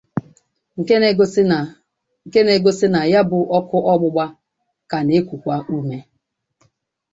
nke na-egosi na ya bụ ọkụ ọgbụgba ka na-ekùkwa ume.